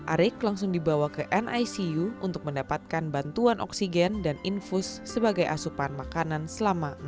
arik langsung dibawa ke nicu untuk mendapatkan bantuan oksigen dan infus sebagai asupan makanan selama